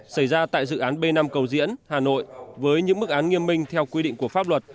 xảy ra tại dự án b năm cầu diễn hà nội với những mức án nghiêm minh theo quy định của pháp luật